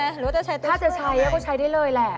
อะไรหรือว่าจะใช้ตัวช่วยหรือเปล่าอะไรหรือว่าจะใช้ตัวช่วยหรือเปล่า